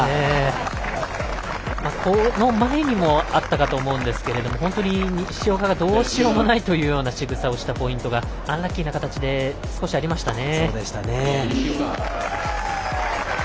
この前にもあったかと思うんですけれども本当に西岡がどうしようもないというしぐさをしたポイントがアンラッキーな形で少しありましたね。